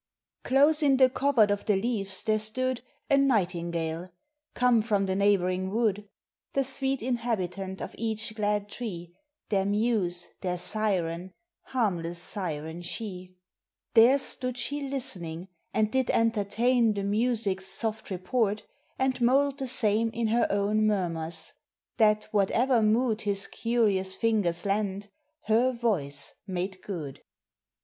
Close in the covert of the leaves there stood A nightingale, come from the neighboring wood (The sweet inhabitant of each glad tree, Their muse, their siren, harmless siren she) : There stood she listening, and did entertain The music's soft report, and mould the same In her own murmurs; that whatever mood His curious fingers lent, her voice made good.